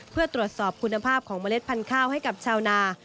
เพื่อตรวจสอบคุณภาพของเมล็ดพันธุ์ข้าวให้กับชาวนา